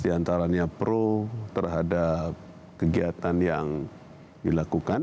diantaranya pro terhadap kegiatan yang dilakukan